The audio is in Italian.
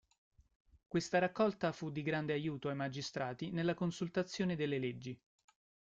Questa raccolta fu di grande aiuto ai magistrati nella consultazione delle leggi.